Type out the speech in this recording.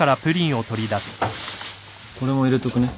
これも入れとくね。